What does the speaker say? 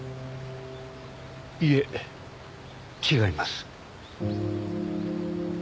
いえ違います。